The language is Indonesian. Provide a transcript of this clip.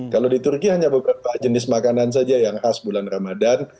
kalau di turki hanya beberapa jenis makanan saja yang khas bulan ramadhan